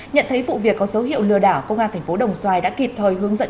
nhận thấy vụ việc có dấu hiệu lừa đảo công an thành phố đồng xoài đã kịp thời hướng dẫn